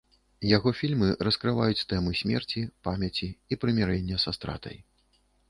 Яго фільмы раскрываюць тэмы смерці, памяці і прымірэння са стратай.